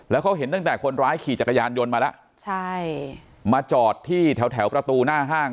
แล้วเขาเห็นตั้งแต่คนร้ายขี่จักรยานยนต์มาแล้วใช่มาจอดที่แถวแถวประตูหน้าห้าง